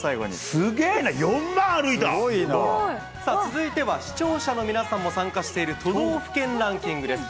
すごい。さあ、続いては視聴者の皆さんも参加している都道府県ランキングです。